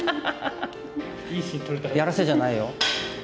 やらせじゃないよ。